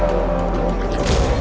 kita harus berhenti